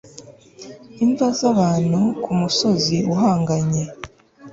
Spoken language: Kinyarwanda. imva z'abantu kumusozi uhanganye